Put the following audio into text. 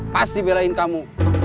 pasti belain kamu